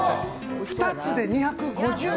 ２つで２５０円。